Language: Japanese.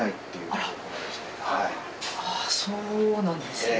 あら、ああ、そうなんですね。